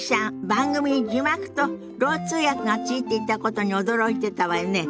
番組に字幕とろう通訳がついていたことに驚いてたわよね。